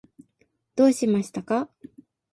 どうしましたか？